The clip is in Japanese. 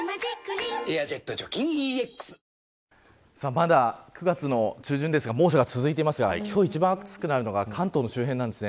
まだ９月の中旬ですが猛暑が続いていますが今日一番暑くなるのが関東の周辺です。